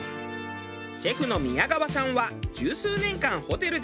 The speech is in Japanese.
シェフの宮川さんは十数年間ホテルで修業を積み